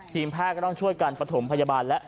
แพทย์ก็ต้องช่วยกันประถมพยาบาลแล้ว